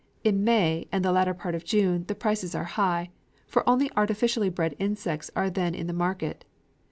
In May and the latter part of June the prices are high, for only artificially bred insects are then in the market.